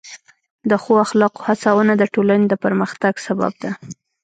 د ښو اخلاقو هڅونه د ټولنې د پرمختګ سبب ده.